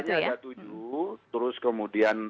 hanya ada tujuh terus kemudian